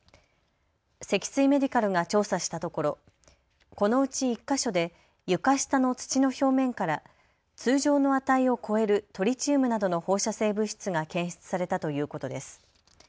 積水メディカルが調査したところ、このうち１か所で床下の土の表面から通常の値を超えるトリチウムなどの放射性物質が検出されたということです。